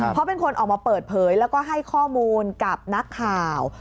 เพราะเป็นคนออกมาเปิดเผยแล้วก็ให้ข้อมูลกับนักข่าว